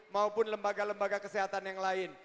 maupun lembaga lembaga kesehatan yang lain